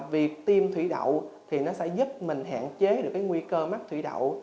việc tiêm thủy đậu thì nó sẽ giúp mình hạn chế được cái nguy cơ mắc thủy đậu